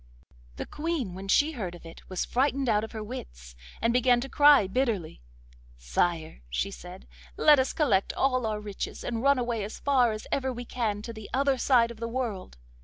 The Queen, when she heard of it, was frightened out of her wits, and began to cry bitterly. 'Sire,' she said, 'let us collect all our riches and run away as far as ever we can, to the other side of the world.